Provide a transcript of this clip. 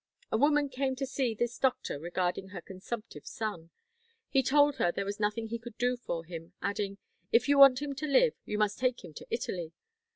A woman came to see this doctor regarding her consumptive son. He told her there was nothing he could do for him, adding: 'If you want him to live, you must take him to Italy.'